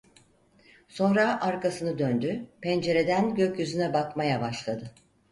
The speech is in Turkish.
Sonra arkasını döndü, pencereden gökyüzüne bakmaya başladı.